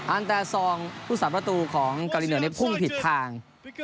อันแต่๒ผู้สั่นประตูของเกาหลีเหนือในพุ่งผิดทาง